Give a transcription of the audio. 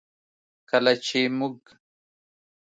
کله چې موږ